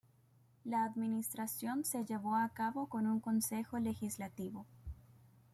La administración se llevó a cabo con un Consejo Legislativo.